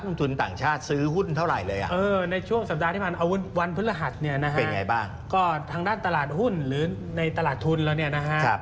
ฝั่งด้านตลาดหุ้นหรือในตลาดทุนนะฮะ